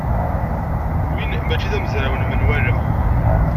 Win maci d amezraw n menwala.